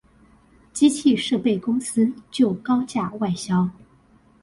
機器設備公司就高價外銷